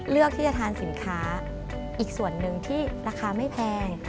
เลือกที่จะทานสินค้าอีกส่วนหนึ่งที่ราคาไม่แพง